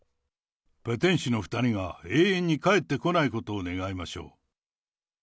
ペテン師の２人が永遠に帰ってこないことを願いましょう。